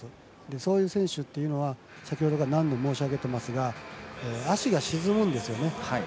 そういう選手っていうのは先ほどから何度も申し上げていますが足が沈むんですよね。